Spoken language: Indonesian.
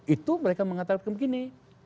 itu mereka mengatakan begini